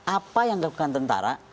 apa yang dilakukan tentara